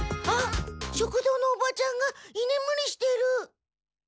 食堂のおばちゃんがいねむりしてる。